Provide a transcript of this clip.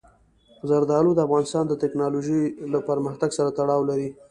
زردالو د افغانستان د تکنالوژۍ له پرمختګ سره تړاو لري.